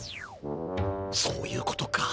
そういうことか。